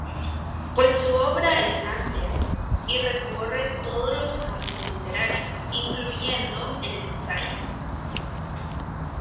Pues su obra es amplia, y recorre todos los campos literarios, incluyendo el ensayo.